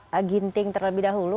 pak ginting terlebih dahulu